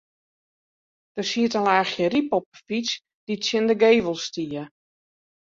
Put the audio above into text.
Der siet in laachje ryp op 'e fyts dy't tsjin de gevel stie.